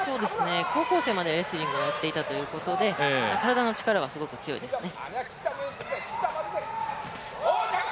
高校生までレスリングをやっていたということで、体の力はすごく強いですね。